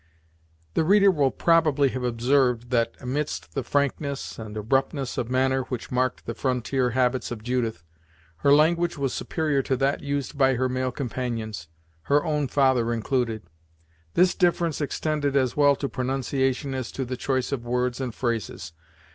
The reader will probably have observed, that, amidst the frankness and abruptness of manner which marked the frontier habits of Judith, her language was superior to that used by her male companions, her own father included. This difference extended as well to pronunciation as to the choice of words and phrases.